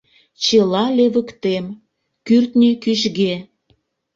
Чыла левыктем, кӱртньӧ кӱчге!»